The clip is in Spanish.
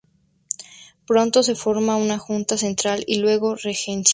Pronto se formaba una Junta Central y luego la Regencia.